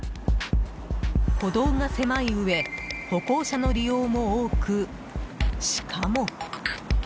歩道が狭いうえ歩行者の利用も多く、しかも。